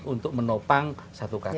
untuk menopang satu kakak